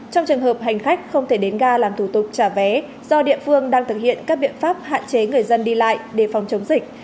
trong trường hợp hành khách không thể đến ga làm thủ tục trả vé do địa phương đang thực hiện các biện pháp hạn chế người dân đi lại để phòng chống dịch